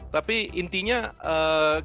tapi intinya kita masih berani